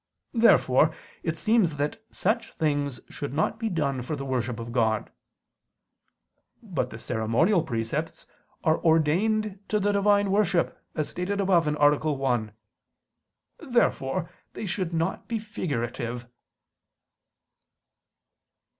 Therefore it seems that such things should not be done for the worship of God. But the ceremonial precepts are ordained to the Divine worship, as stated above (A. 1). Therefore they should not be figurative.